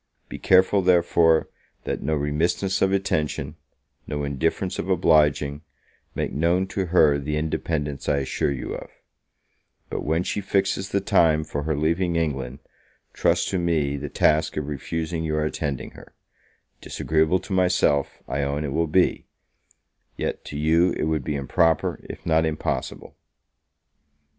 Be careful, therefore, that no remissness of attention, no indifference of obliging, make known to her the independence I assure you of; but when she fixes the time for her leaving England, trust to me the task of refusing your attending her: disagreeable to myself, I own, it will be; yet to you it would be improper, if not impossible.